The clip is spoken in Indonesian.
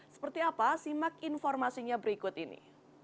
seperti apa simak informasinya berikut ini